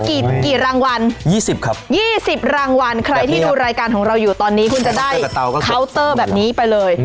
กี่รางวัล๒๐ครับ๒๐รางวัลใครที่ดูรายการของเราอยู่ตอนนี้คุณจะได้เคาน์เตอร์แบบนี้ไปเลย